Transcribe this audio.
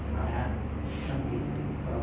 ครับครับนั่งกินพระบอบ